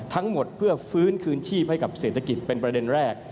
ทั้งหมดเพื่อฟื้นคืนชีพให้กับเศรษฐกิจเป็นประเด็นแรก